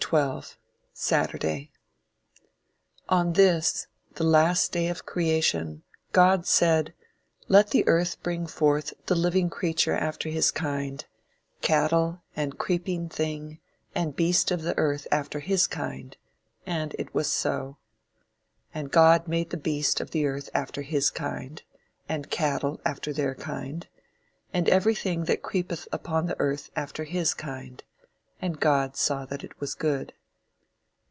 SATURDAY On this, the last day of creation, God said: "Let the earth bring forth the living creature after his kind, cattle and creeping thing and beast of the earth after his kind; and it was so. And God made the beast of the earth after his kind, and cattle after their kind, and every thing that creepeth upon the earth after his kind; and God saw that it was good."